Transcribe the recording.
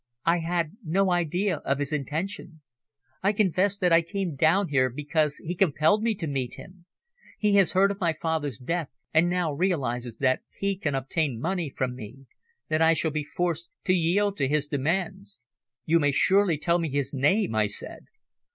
"I had no idea of his intention. I confess that I came down here because he compelled me to meet him. He has heard of my father's death and now realises that he can obtain money from me; that I shall be forced to yield to his demands." "You may surely tell me his name," I said.